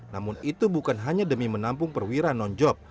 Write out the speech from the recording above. namun itu bukan hanya demi menampung perwira non job